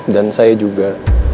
dan saya juga